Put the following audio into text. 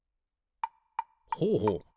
ほうほう。